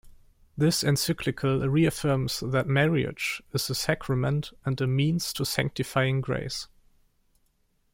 This encyclical reaffirms that marriage is a sacrament, and a means to sanctifying grace.